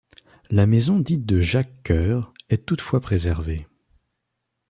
La maison dite de Jacques Cœur est toutefois préservée.